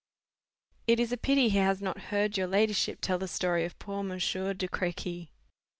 "It is a pity he has not heard your ladyship tell the story of poor Monsieur de Crequy."